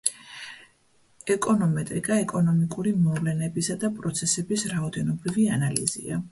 ეკონომეტრიკა ეკონომიკური მოვლენებისა და პროცესების რაოდენობრივი ანალიზია.